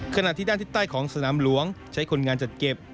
ขณะที่ด้านทิศใต้ของสนามหลวงใช้คนงานจัดเก็บ